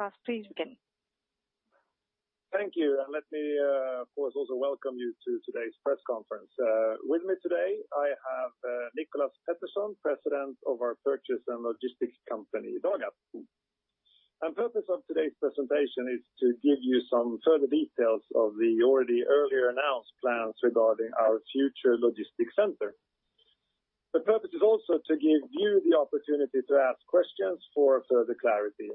Klas, please begin. Thank you. Let me, of course, also welcome you to today's press conference. With me today I have Nicholas Pettersson, President of our purchase and logistics company, Dagab. The purpose of today's presentation is to give you some further details of the already earlier announced plans regarding our future logistics center. The purpose is also to give you the opportunity to ask questions for further clarity.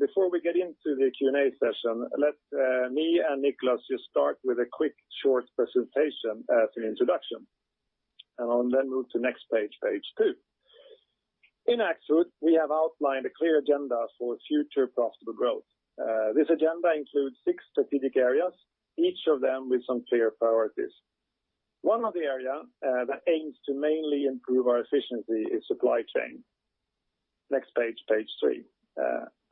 Before we get into the Q&A session, let me and Nicholas just start with a quick, short presentation as an introduction, and I'll then move to next page two. In Axfood, we have outlined a clear agenda for future profitable growth. This agenda includes six strategic areas, each of them with some clear priorities. One of the area that aims to mainly improve our efficiency is supply chain. Next page three.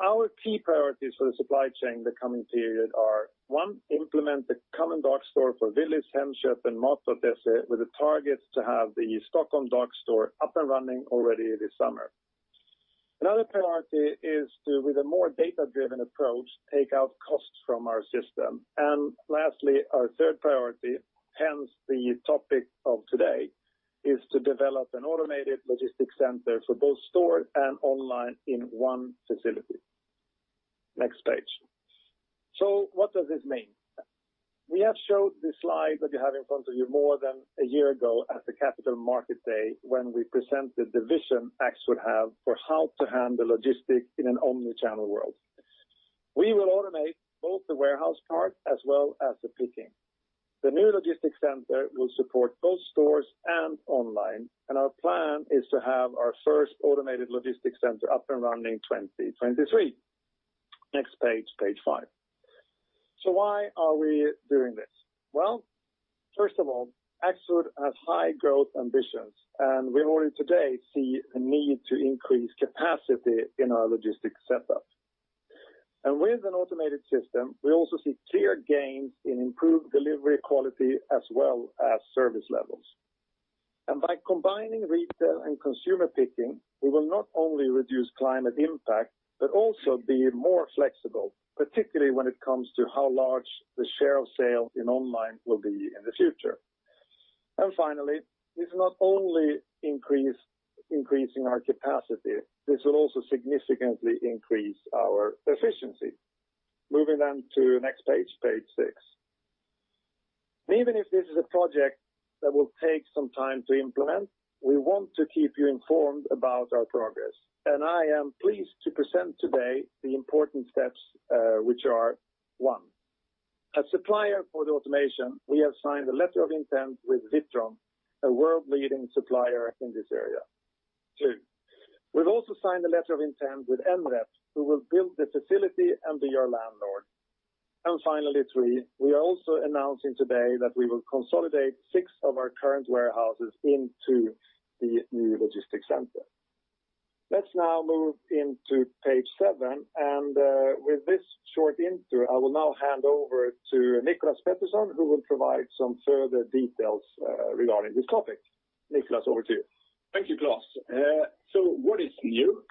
Our key priorities for the supply chain the coming period are, one, implement the common dark store for Willys, Hemköp, and Mat.se with a target to have the Stockholm dark store up and running already this summer. Another priority is to, with a more data-driven approach, take out costs from our system. Lastly, our third priority, hence the topic of today, is to develop an automated logistics center for both store and online in one facility. Next page. What does this mean? We have showed this slide that you have in front of you more than a year ago at the Capital Market Day when we presented the vision Axfood have for how to handle logistics in an omni-channel world. We will automate both the warehouse part as well as the picking. The new logistics center will support both stores and online, and our plan is to have our first automated logistics center up and running 2023. Next page five. Why are we doing this? Well, first of all, Axfood has high growth ambitions, and we already today see a need to increase capacity in our logistics setup. With an automated system, we also see clear gains in improved delivery quality as well as service levels. By combining retail and consumer picking, we will not only reduce climate impact, but also be more flexible, particularly when it comes to how large the share of sale in online will be in the future. Finally, it's not only increasing our capacity, this will also significantly increase our efficiency. Moving on to next page six. Even if this is a project that will take some time to implement, we want to keep you informed about our progress, and I am pleased to present today the important steps, which are: One, a supplier for the automation. We have signed a letter of intent with Witron, a world-leading supplier in this area. Two, we've also signed a letter of intent with NREP, who will build the facility and be our landlord. Finally, three, we are also announcing today that we will consolidate six of our current warehouses into the new logistics center. Let's now move into page seven, and with this short intro, I will now hand over to Nicholas Pettersson, who will provide some further details regarding this topic. Nicholas, over to you. Thank you, Klas. What is new?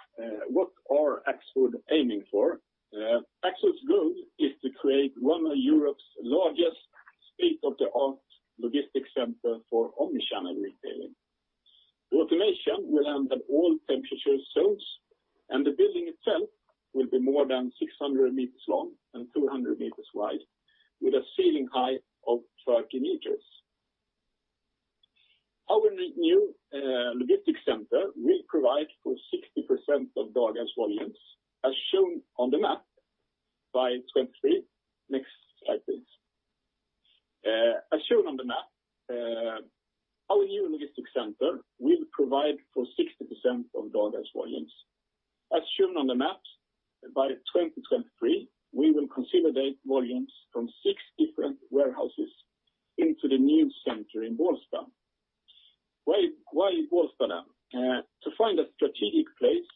What are Axfood aiming for? Axfood's goal is to create one of Europe's largest state-of-the-art logistics center for omni-channel retailing. The automation will handle all temperature zones, and the building itself will be more than 600 meters long and 200 meters wide with a ceiling height of 30 meters. Our new logistics center will provide for 60% of Dagab's volumes, as shown on the map by 2023. Next slide, please. As shown on the map, our new logistics center will provide for 60% of Dagab's volumes. As shown on the map, by 2023, we will consolidate volumes from six different warehouses into the new center in Bålsta. Why Bålsta? To find a strategic place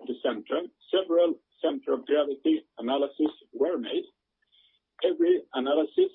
for the center, several center of gravity analysis were made. Every analysis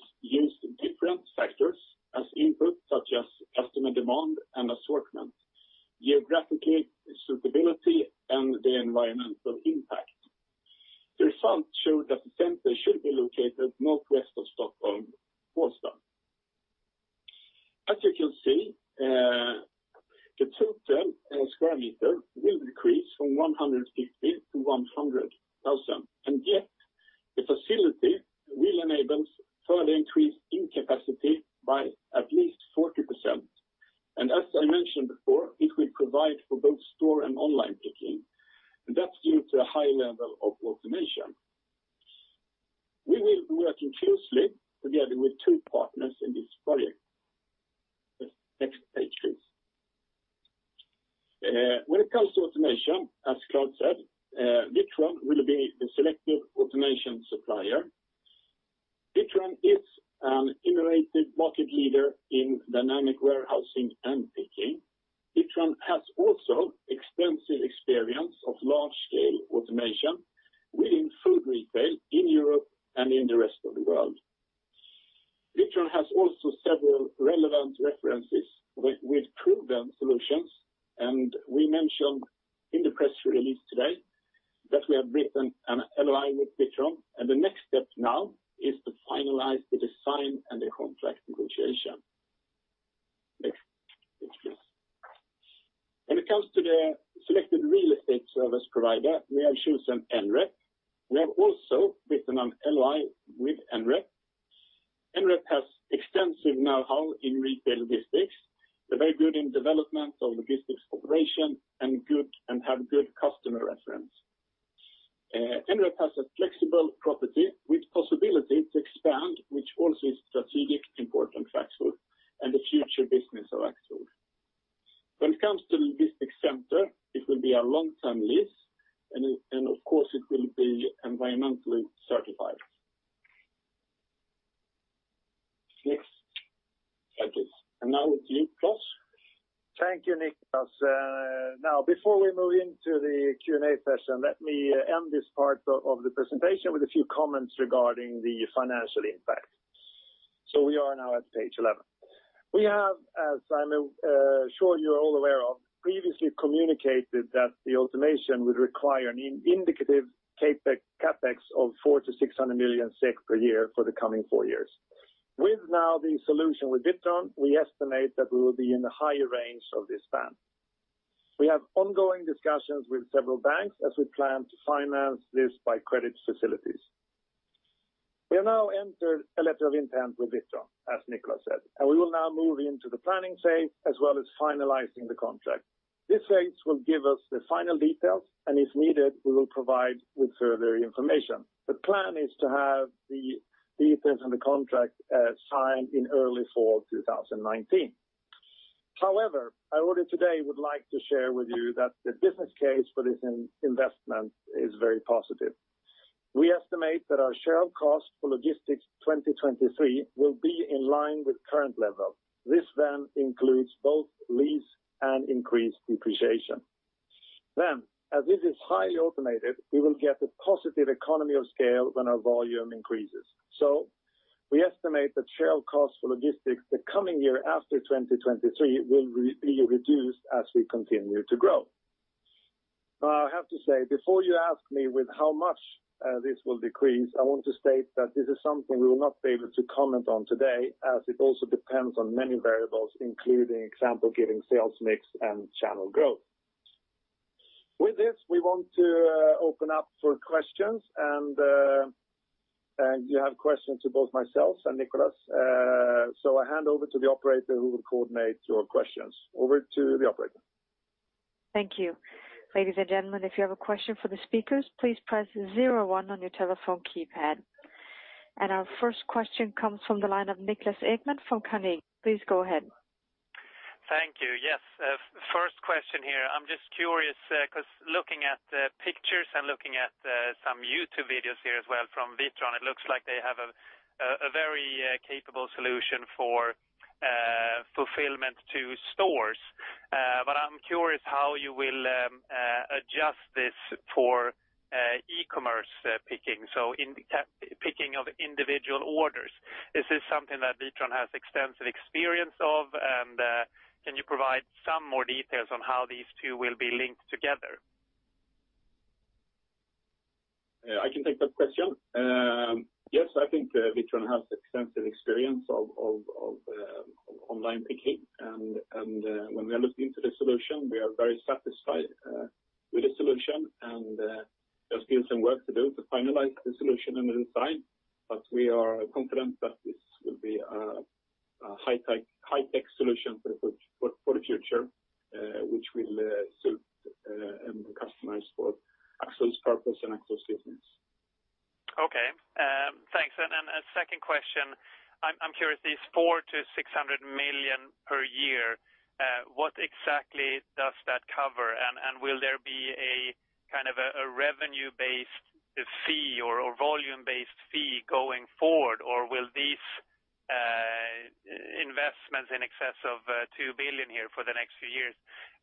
used different factors as input, such as customer demand and assortment, geographic suitability, and the environmental impact. The result showed that the center should be located northwest of Stockholm, Bålsta. As you can see, the total square meter will increase from [150] to 100,000, and yet the facility will enable further increase in capacity by at least 40%. As I mentioned before, it will provide for both store and online picking, and that's due to the high level of automation. We will be working closely together with two partners in this project. Next page, please. When it comes to automation, as Klas said, Witron will be the selected automation supplier. Witron is an innovative market leader in dynamic warehousing and picking. Witron has also extensive experience of large-scale automation within food retail in Europe and in the rest of the world. Witron has also several relevant references with proven solutions, and we mentioned in the press release today that we have written an LOI with Witron, and the next step now is to finalize the design and the contract negotiation. Next, please. When it comes to the selected real estate service provider, we have chosen NREP. We have also written an LOI with NREP. NREP has extensive know-how in retail logistics. They're very good in development of logistics operation and have good customer reference. NREP has a flexible property with possibility to expand, which also is strategic important for Axfood and the future business of Axfood. When it comes to logistic center, it will be a long-term lease and, of course, it will be environmentally certified. Next. Thank you. Now it's you, Klas. Thank you, Nicholas. Now before we move into the Q&A session, let me end this part of the presentation with a few comments regarding the financial impact. We are now at page 11. We have, as I'm sure you're all aware of, previously communicated that the automation would require an indicative CapEx of 400 million-600 million SEK per year for the coming four years. With now the solution with Witron, we estimate that we will be in the higher range of this span. We have ongoing discussions with several banks as we plan to finance this by credit facilities. We have now entered a letter of intent with Witron, as Nicholas said, and we will now move into the planning phase as well as finalizing the contract. This phase will give us the final details, and if needed, we will provide with further information. The plan is to have the details on the contract signed in early fall 2019. However, I already today would like to share with you that the business case for this investment is very positive. We estimate that our share of cost for logistics 2023 will be in line with current level. This includes both lease and increased depreciation. As this is highly automated, we will get a positive economy of scale when our volume increases. We estimate that share of cost for logistics the coming year after 2023 will be reduced as we continue to grow. I have to say, before you ask me with how much this will decrease, I want to state that this is something we will not be able to comment on today as it also depends on many variables including example giving sales mix and channel growth. With this, we want to open up for questions and if you have questions to both myself and Nicholas, I hand over to the operator who will coordinate your questions. Over to the operator. Thank you. Ladies and gentlemen, if you have a question for the speakers, please press zero one on your telephone keypad. Our first question comes from the line of Niklas Ekman from Carnegie. Please go ahead. Thank you. Yes, first question here. I'm just curious because looking at the pictures and looking at some YouTube videos here as well from Witron, it looks like they have a very capable solution for fulfillment to stores. I'm curious how you will adjust this for e-commerce picking, so picking of individual orders. Is this something that Witron has extensive experience of? Can you provide some more details on how these two will be linked together? I can take that question. Yes, I think Witron has extensive experience of online picking. When we are looking into the solution, we are very satisfied with the solution. There's been some work to do to finalize the solution and the design, but we are confident that this will be a high-tech solution for the future which will suit the customers for Axfood's purpose and Axfood's business. Okay, thanks. A second question. I'm curious, these 400 million-600 million per year, what exactly does that cover? Will there be a revenue-based fee or volume-based fee going forward? Or will these investments in excess of 2 billion here for the next few years,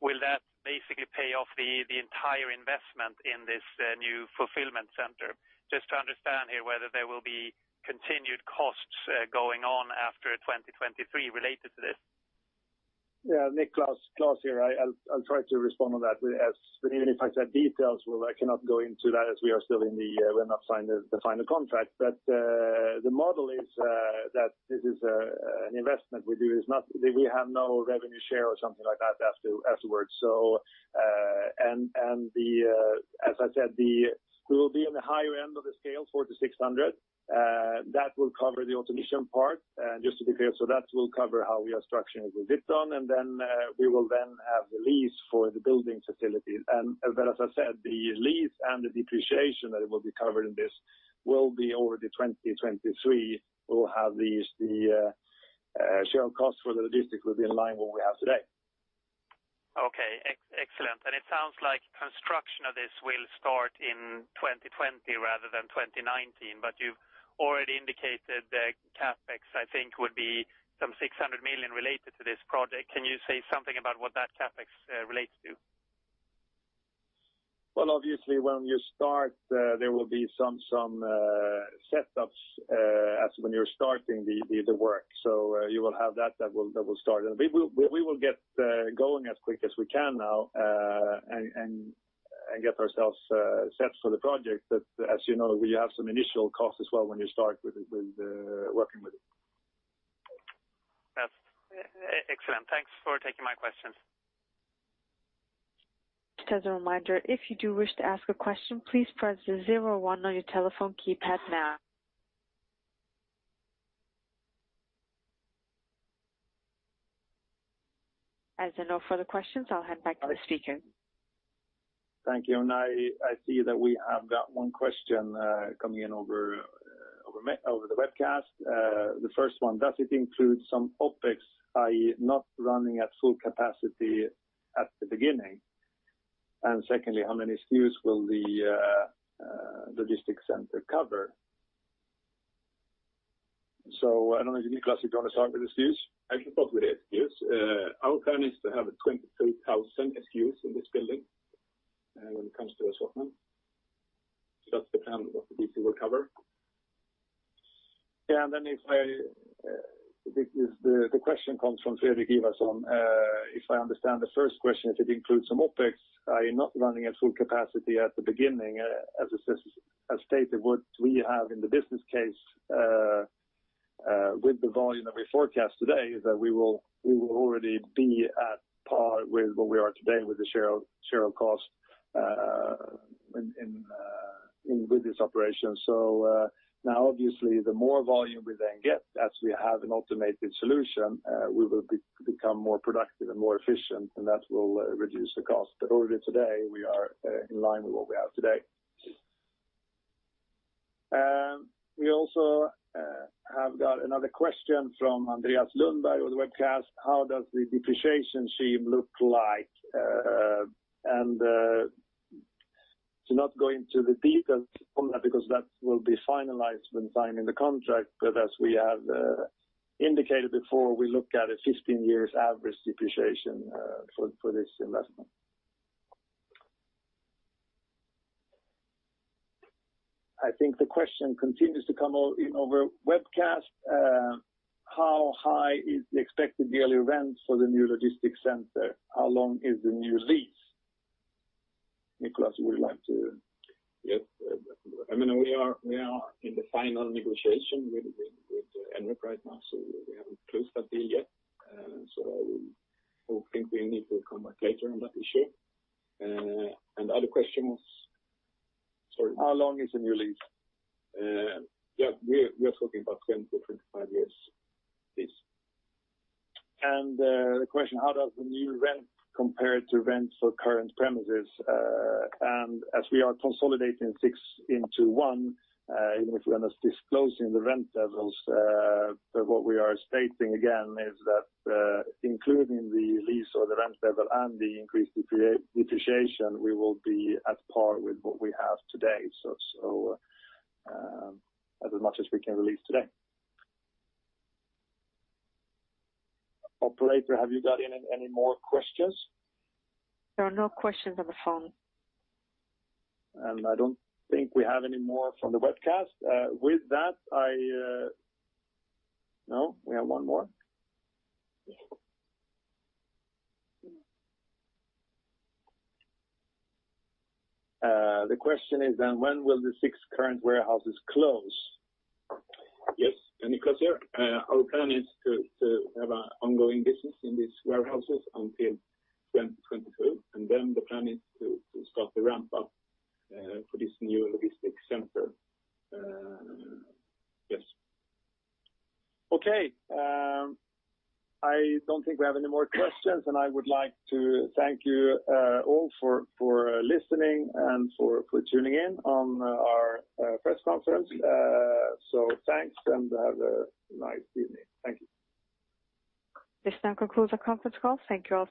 will that basically pay off the entire investment in this new fulfillment center? Just to understand here whether there will be continued costs going on after 2023 related to this. Yeah, Niklas, Klas here. I'll try to respond on that as even if I said details, well, I cannot go into that as we're not signed the final contract. The model is that this is an investment we do. We have no revenue share or something like that afterwards. As I said, we will be on the higher end of the scale, 400 million-600 million. That will cover the automation part, just to be clear, so that will cover how we are structuring with Witron and then we will then have the lease for the building facilities. As I said, the lease and the depreciation that will be covered in this will be over 2023. We'll have the share of cost for the logistic will be in line what we have today. Okay, excellent. It sounds like construction of this will start in 2020 rather than 2019, you've already indicated the CapEx, I think, would be some 600 million related to this project. Can you say something about what that CapEx relates to? Well, obviously when you start, there will be some setups as when you're starting the work. You will have that will start. We will get going as quick as we can now, and get ourselves set for the project. As you know, we have some initial costs as well when you start with working with it. That's excellent. Thanks for taking my questions. Just as a reminder, if you do wish to ask a question, please press the zero one on your telephone keypad now. As there are no further questions, I'll hand back to the speaker. Thank you. I see that we have got one question coming in over the webcast. The first one, does it include some OpEx, i.e., not running at full capacity at the beginning? Secondly, how many SKUs will the logistics center cover? I don't know, Niklas, if you want to start with SKUs? I can start with the SKUs. Our plan is to have 22,000 SKUs in this building, when it comes to assortment. That's the plan of what the DC will cover. Yeah. The question comes from Fredrik Ivarsson. If I understand the first question, if it includes some OpEx, are you not running at full capacity at the beginning? As stated, what we have in the business case, with the volume that we forecast today, is that we will already be at par with where we are today with the shared cost with this operation. Now obviously the more volume we then get as we have an automated solution, we will become more productive and more efficient, and that will reduce the cost. Already today, we are in line with where we are today. We also have got another question from Andreas Lundberg on the webcast. How does the depreciation scheme look like? To not go into the details on that, because that will be finalized when signing the contract, but as we have indicated before, we look at a 15-year average depreciation for this investment. I think the question continues to come in over webcast. How high is the expected yearly rent for the new logistics center? How long is the new lease? Nicholas, you would like to Yes. We are in the final negotiation with NREP right now, we haven't closed that deal yet. I think we need to come back later on that issue. The other question was? Sorry. How long is the new lease? Yeah. We're talking about 20-25 year lease. The question, how does the new rent compare to rent for current premises? As we are consolidating 6 into one, even if we are not disclosing the rent levels, what we are stating again is that, including the lease or the rent level and the increased depreciation, we will be at par with what we have today. As much as we can release today. Operator, have you got any more questions? There are no questions on the phone. I don't think we have any more from the webcast. No, we have one more. Yes. The question is when will the six current warehouses close? Yes. Nicholas here. Our plan is to have an ongoing business in these warehouses until 2022. The plan is to start the ramp up for this new logistics center. Yes. Okay. I don't think we have any more questions, and I would like to thank you all for listening and for tuning in on our press conference. Thanks, and have a nice evening. Thank you. This now concludes our conference call. Thank you all.